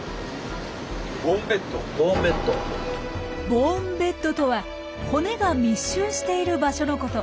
「ボーンベッド」とは骨が密集している場所のこと。